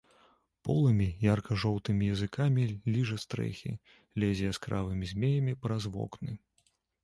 Полымя ярка-жоўтымі языкамі ліжа стрэхі, лезе яскравымі змеямі праз вокны.